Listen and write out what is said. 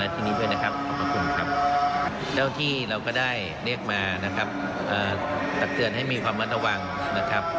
เจ้าที่เราก็ได้เรียกมานะครับตัดเตือนให้มีความรอบระวังนะครับ